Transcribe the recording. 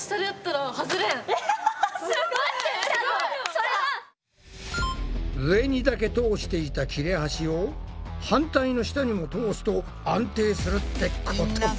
これさ上にだけ通していた切れ端を反対の下にも通すと安定するってことか？